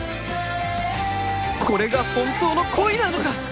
これが本当の恋なのかっ！？